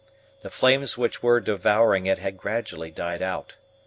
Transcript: The flames which were devouring it had gradually died out.